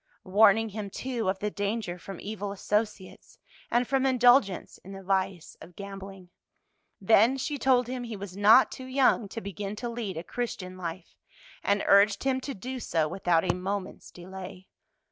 Warning him, too, of the danger from evil associates and from indulgence in the vice of gambling. Then she told him he was not too young to begin to lead a Christian life, and urged him to do so without a moment's delay.